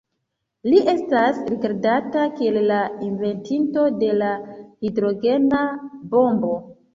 Li estas rigardata kiel la inventinto de la hidrogena bombo.